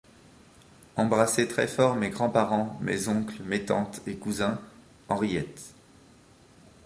Embrassez très fort mes grands-parents, mes oncles, mes tantes et cousins, Henriette.